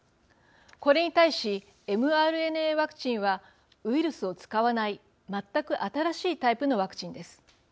これに対しｍＲＮＡワクチンはウイルスを使わない全く新しいタイプのワクチンです。